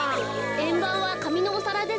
えんばんはかみのおさらですね。